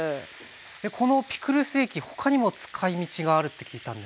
このピクルス液他にも使いみちがあるって聞いたんですけど。